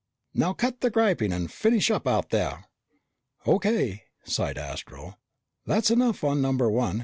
"Now cut the griping and finish up out there!" "O.K.," sighed Astro. "That's enough on number one.